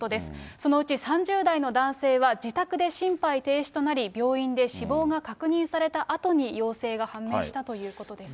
そのうち３０代の男性は、自宅で心肺停止となり、病院で死亡が確認されたあとに陽性が判明したということです。